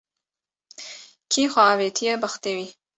Kî xwe avitiye bextê wî